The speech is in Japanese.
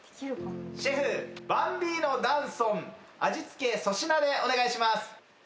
シェフバンビーノ「ダンソン」味付け粗品でお願いします。